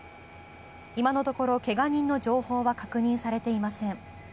今のところ怪我人の情報は確認されていません。